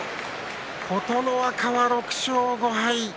琴ノ若、６勝５敗。